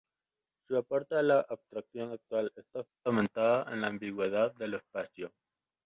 Su aporte a la abstracción actual está fundamentado en la ambigüedad del espacio.